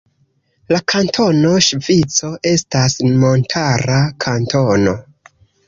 La Kantono Ŝvico estas montara kantono.